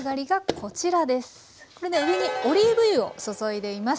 これね上にオリーブ油を注いでいます。